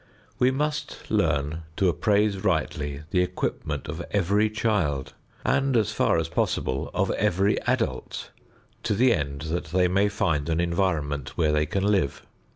We must learn to appraise rightly the equipment of every child and, as far as possible, of every adult to the end that they may find an environment where they can live.